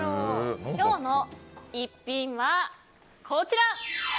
今日の逸品は、こちら。